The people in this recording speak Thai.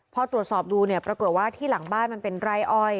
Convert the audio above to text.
พอตรวจสอบดูเนี่ยปรากฏว่าที่หลังบ้านมันเป็นไร่อ้อย